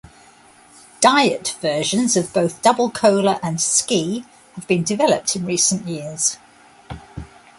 Diet versions of both Double Cola and Ski have been developed in recent years.